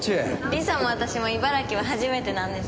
リサも私も茨城は初めてなんです。